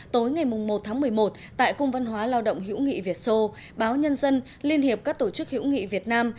tối ngày một tháng một mươi một tại cung văn hóa lao động hữu nghị việt sô báo nhân dân liên hiệp các tổ chức hữu nghị việt nam